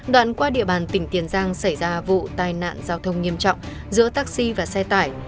đoạn qua địa bàn tỉnh tiền giang xảy ra vụ tai nạn giao thông nghiêm trọng giữa taxi và xe tải